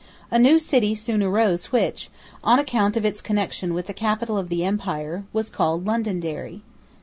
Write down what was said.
A new city soon arose which, on account of its connection with the capital of the empire, was called Londonderry.